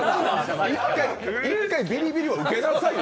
一回ビリビリを受けなさいよ。